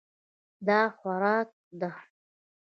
دا خوراک ده.